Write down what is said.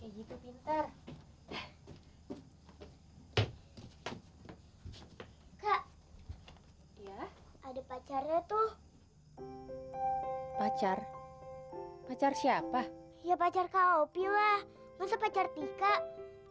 jadi tekan lap mobil